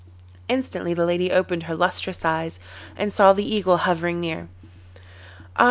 Instantly the lady opened her lustrous eyes, and saw the Eagle hovering near. 'Ah!